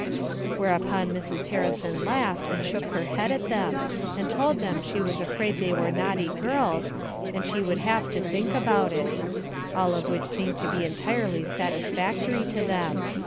Whereupon Mrs. Harrison laughed, and shook her head at them, and told them she was afraid they were naughty girls, and she would have to think about it. All of which seemed to be entirely satisfactory to them.